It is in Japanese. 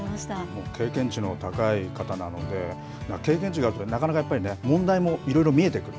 もう経験値の高い方なので、経験値があると、なかなかやっぱりね、問題もいろいろ見えてくる。